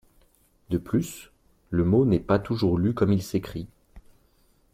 De plus, le mot n'est pas toujours lu comme il s'écrit.